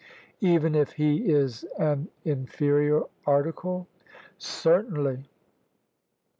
" Even if he is an inferior article ?"" Certainly.